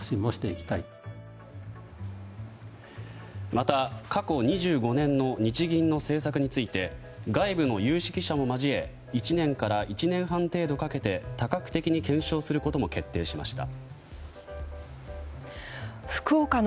また過去２５年の日銀の政策について外部の有識者も交え１年から１年半程度かけて多角的に検証することも決定しました。